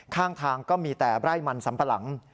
ข้างทางก็มีแต่ไร่มันสัมปะหลัง